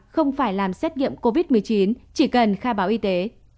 không phải làm xét nghiệm covid một mươi chín chỉ cần khai báo y tế